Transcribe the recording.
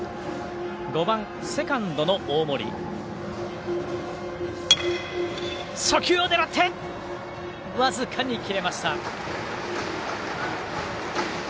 ５番、セカンドの大森初球を狙って僅かに切れました。